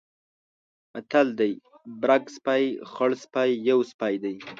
متل دی: برګ سپی، خړسپی یو سپی دی.